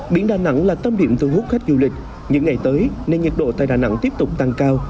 biển đà nẵng là tâm điểm thu hút khách du lịch những ngày tới nên nhiệt độ tại đà nẵng tiếp tục tăng cao